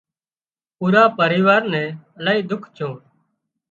پورا پريوار نين الاهي ۮُک ڇون